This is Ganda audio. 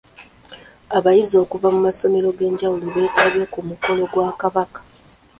Abayizi okuva mu masomero ag’enjawulo beetabye ku mukolo gwa Kabaka.